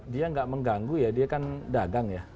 dia nggak mengganggu ya dia kan dagang ya